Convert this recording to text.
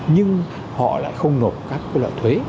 nhưng họ lại không nộp các cái loại thuế